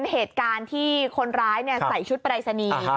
เหตุการณ์ที่คนร้ายใส่ชุดปรายศนีย์